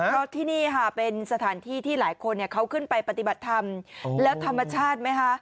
เพราะที่นี่ค่ะเป็นสถานที่ที่หลายคนเขาขึ้นไปปฏิบัติธรรมแล้วธรรมชาติไหมคะ